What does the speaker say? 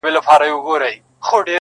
ښار د سوداګرو دی په یار اعتبار مه کوه!!